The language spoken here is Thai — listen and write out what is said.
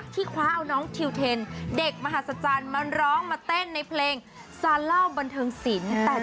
คว้าเอาน้องทิวเทนเด็กมหาศจรรย์มาร้องมาเต้นในเพลงซาเล่าบันเทิงศิลป์